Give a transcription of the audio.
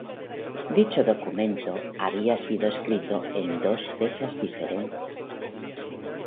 Dicho documento había sido escrito en dos fechas diferentes.